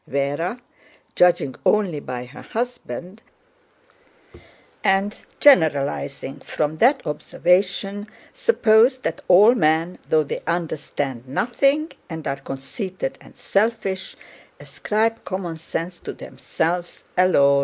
Véra, judging only by her husband and generalizing from that observation, supposed that all men, though they understand nothing and are conceited and selfish, ascribe common sense to themselves alone.